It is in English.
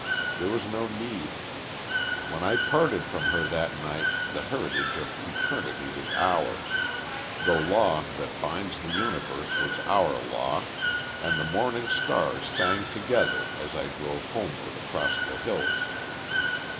There was no need. When I parted from her that night the heritage of eternity was ours the law that binds the universe was our law, and the morning stars sang together as I drove homeward across the hills.